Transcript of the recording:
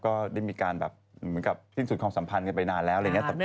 ก็ได้มีการแบบเหมือนกับสิ้นสุดความสัมพันธ์กันไปนานแล้วอะไรอย่างนี้